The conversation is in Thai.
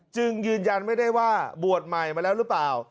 ยืนยันไม่ได้ว่าบวชใหม่มาแล้วหรือเปล่า